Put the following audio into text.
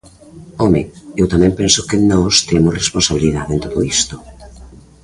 Home, eu tamén penso que nós temos responsabilidade en todo isto.